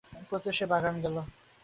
প্রত্যুষেই বাগানে গেল।